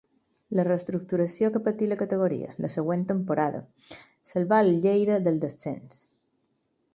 La reestructuració que patí la categoria la següent temporada salvà el Lleida del descens.